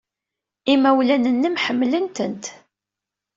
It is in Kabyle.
Imawlan-nnem ḥemmlen-tent.